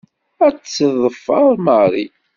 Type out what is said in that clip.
Ad tt-teffer Mary.